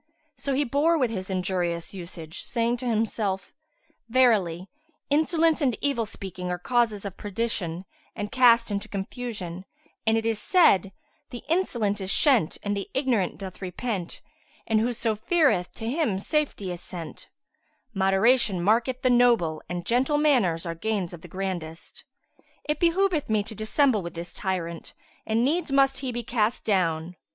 So he bore with his injurious usage, saying to himself, "Verily insolence and evil speaking are causes of perdition and cast into confusion, and it is said, 'The insolent is shent and the ignorant doth repent; and whose feareth, to him safety is sent': moderation marketh the noble and gentle manners are of gains the grandest. It behoveth me to dissemble with this tyrant and needs must he be cast down."